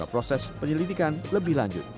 proses penyelidikan lebih lanjut